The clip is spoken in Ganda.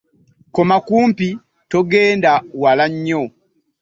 Koma kumpi togenda wala nnyo.